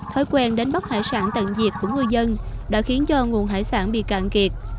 thói quen đánh bắt hải sản tận diệt của ngư dân đã khiến cho nguồn hải sản bị cạn kiệt